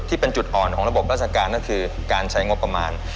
ที่เป็นจุดอ่อนของระบบราชการก็คือการใช้งบประมาณ